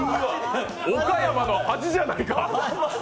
岡山の恥じゃないか！